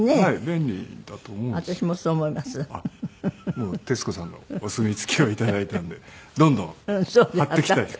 もう徹子さんのお墨付きを頂いたんでどんどん貼っていきたいです。